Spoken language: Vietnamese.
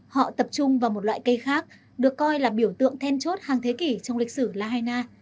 họ tập trung vào một loại cây khác được coi là biểu tượng then chốt hàng thế kỷ trong lịch sử lahaina